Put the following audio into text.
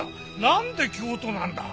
なんで京都なんだ！